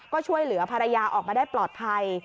ก็ช่วยเหลือภรรยาออกมาได้ปลอดภัย